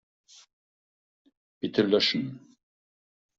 Bitte löschen.